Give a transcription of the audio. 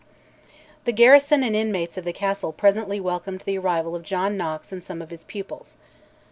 The garrison and inmates of the castle presently welcomed the arrival of John Knox and some of his pupils.